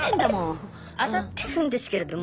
当たってるんですけれども。